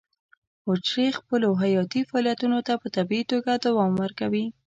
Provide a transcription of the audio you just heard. حجرې خپلو حیاتي فعالیتونو ته په طبیعي توګه دوام ورکوي.